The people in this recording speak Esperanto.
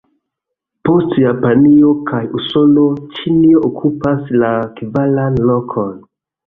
Post Japanio kaj Usono, Ĉinio okupas la kvaran lokon.